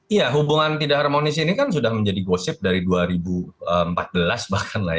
iya hubungan tidak harmonis ini kan sudah menjadi gosip dari dua ribu empat belas bahkan lah ya